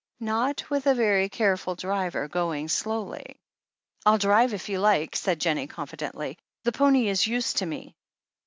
Not with a very careful driver, going slowly." I'll drive, if you like," said Jennie confidently. The pony is used to me."